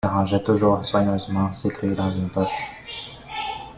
Il rangeait toujours soigneusement ses clefs dans une poche